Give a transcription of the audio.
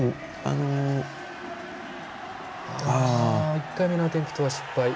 １回目のアテンプトは失敗。